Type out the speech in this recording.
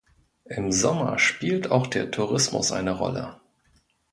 Im Sommer spielt auch der Tourismus eine Rolle.